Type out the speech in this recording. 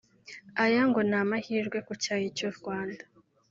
Aya ngo ni amahirwe ku cyayi cy’u Rwanda